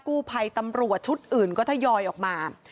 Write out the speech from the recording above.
กู้ภัยตำรวจชุดอื่นก็ทยอยออกมา